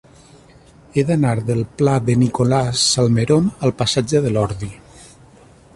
He d'anar del pla de Nicolás Salmerón al passatge de l'Ordi.